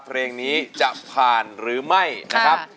เพลงนี้จะผ่านหรือไม่นะครับ